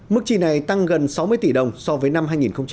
mức chi này tăng gần sáu mươi tỷ đồng so với năm hai nghìn một mươi bảy